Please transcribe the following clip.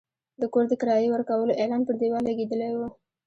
د کور د کرایې ورکولو اعلان پر دېوال لګېدلی و.